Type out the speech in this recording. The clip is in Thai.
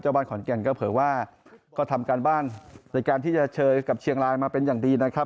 บ้านขอนแก่นก็เผยว่าก็ทำการบ้านในการที่จะเชยกับเชียงรายมาเป็นอย่างดีนะครับ